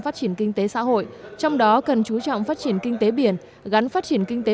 phát triển kinh tế xã hội trong đó cần chú trọng phát triển kinh tế biển gắn phát triển kinh tế